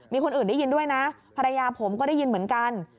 มีคนอื่นได้ยินด้วยนะภรรยาผมก็ได้ยินเหมือนกัน